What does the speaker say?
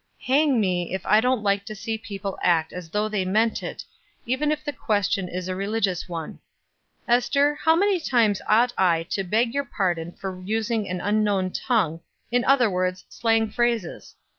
Hang me, if I don't like to see people act as though they meant it, even if the question is a religious one. Ester, how many times ought I to beg your pardon for using an unknown tongue in other words, slang phrases?